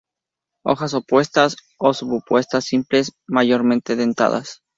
Hojas opuestas o subopuestas, simples, mayormente dentadas.